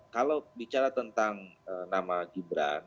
kalau bicara tentang nama gibran